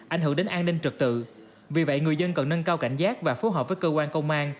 ảnh hưởng đến an ninh trật tự vì vậy người dân cần nâng cao cảnh giác và phối hợp với cơ quan công an